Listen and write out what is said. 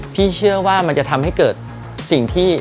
พี่เชื่อว่ามันจะทำให้เกิดสิ่งที่